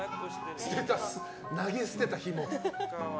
投げ捨てた、ひも。